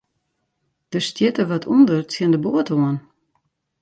Der stjitte wat ûnder tsjin de boat oan.